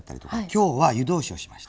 今日は湯通しをしました。